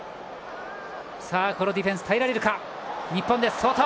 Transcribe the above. ディフェンス、耐えられるか日本。